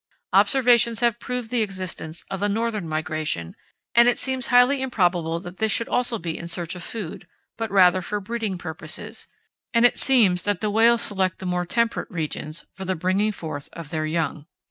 Observations have proved the existence of a northern migration, and it seems highly improbable that this should also be in search of food, but rather for breeding purposes, and it seems that the whales select the more temperate regions for the bringing forth of their young.